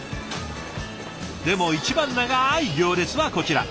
でも一番長い行列はこちら。